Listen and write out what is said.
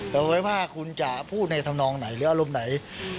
เอาไว้ว่าคุณจะพูดในธรรมนองไหนหรืออารมณ์ไหน